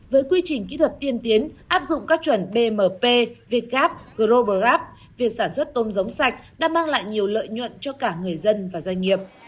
với quy trình kỹ thuật tiên tiến áp dụng các chuẩn bmp việt gap global gap việc sản xuất tôm giống sạch đã mang lại nhiều lợi nhuận cho cả người dân và doanh nghiệp